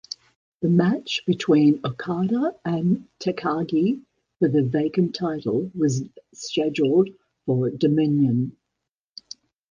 The match between Okada and Takagi for the vacant title was scheduled for Dominion.